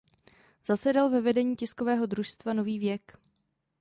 Zasedal ve vedení tiskového družstva "Nový věk".